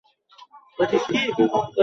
সকলেই যুবতী এবং রূপসী।